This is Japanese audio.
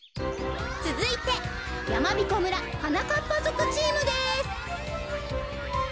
つづいてやまびこ村はなかっぱぞくチームです。